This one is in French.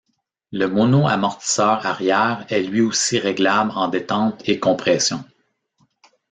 Le monoamortisseur arrière est lui aussi réglable en détente et compression.